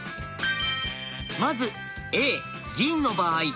まずＡ銀の場合。